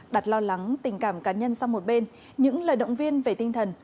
đặt lo lắng tình cảm cá nhân sang một bên những lời động viên về tinh thần